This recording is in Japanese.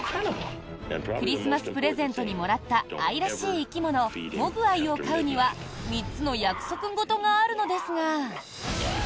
クリスマスプレゼントにもらった愛らしい生き物モグワイを飼うには３つの約束事があるのですが。